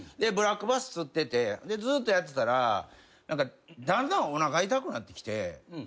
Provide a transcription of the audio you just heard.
ブラックバス釣っててずっとやってたらだんだんおなか痛くなってきて。